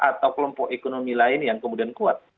atau kelompok ekonomi lain yang kemudian kuat